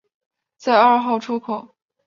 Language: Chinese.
在二号出口